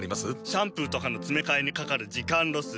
シャンプーとかのつめかえにかかる時間ロス。